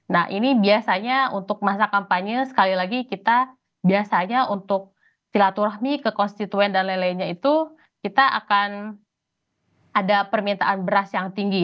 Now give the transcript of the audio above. nah ini biasanya untuk masa kampanye sekali lagi kita biasanya untuk silaturahmi ke konstituen dan lain lainnya itu kita akan ada permintaan beras yang tinggi